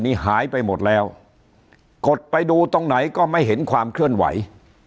นี่หายไปหมดแล้วกดไปดูตรงไหนก็ไม่เห็นความเคลื่อนไหว